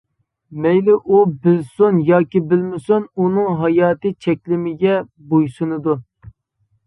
مەيلى ئۇ بىلسۇن ياكى بىلمىسۇن، ئۇنىڭ ھاياتى چەكلىمىگە بويسۇنىدۇ.